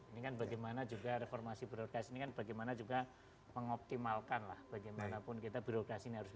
ini kan bagaimana juga reformasi birokrasi ini kan bagaimana juga mengoptimalkan lah bagaimanapun kita birokrasi ini harus